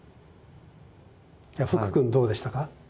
じゃあ福くんどうでしたか？